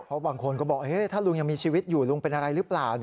เพราะบางคนก็บอกถ้าลุงยังมีชีวิตอยู่ลุงเป็นอะไรหรือเปล่า